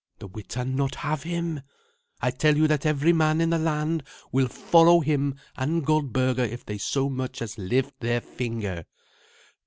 The Witan not have him? I tell you that every man in the land will follow him and Goldberga if they so much as lift their finger.